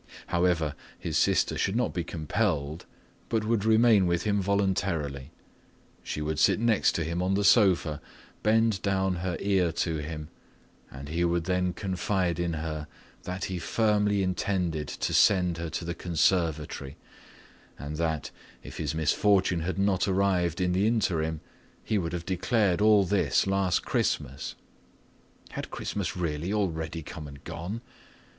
However, his sister should not be compelled but would remain with him voluntarily. She would sit next to him on the sofa, bend down her ear to him, and he would then confide in her that he firmly intended to send her to the conservatory and that, if his misfortune had not arrived in the interim, he would have declared all this last Christmas—had Christmas really already come and gone?